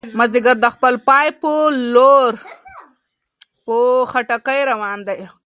مازیګر د خپل پای په لور په چټکۍ روان دی.